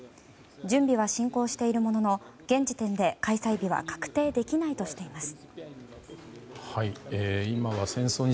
準備は進行しているものの現時点で開催日は確定できないとしています。